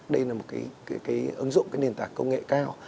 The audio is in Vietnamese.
đây là một cái ứng dụng cái nền tảng công nghệ cao